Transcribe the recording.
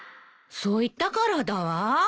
そう言ったからだわ。